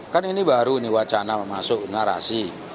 kan ini baru ini wacana masuk narasi